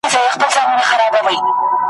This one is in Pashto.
ما مي د شمعي له ګرېوان سره نصیب تړلی `